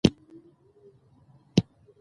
ما وبښئ که مې چاته خفګان رسولی وي.